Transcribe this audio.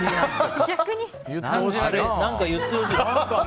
何か言ってほしい。